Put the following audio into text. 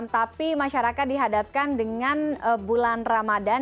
tapi masyarakat dihadapkan dengan bulan ramadan